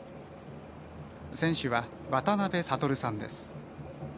船主は渡辺悟さんです。